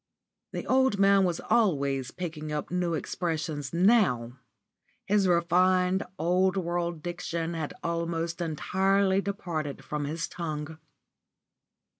The old man was always picking up new expressions now. His refined, old world diction had almost entirely departed from his tongue.